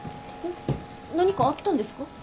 何かあったんですか？